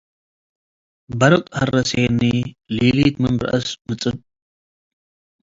በርቅ ሀረሴኒ - ሊሊት ምን ረአስ ምጽብ